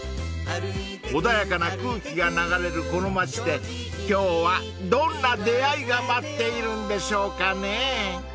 ［穏やかな空気が流れるこの街で今日はどんな出会いが待っているんでしょうかね］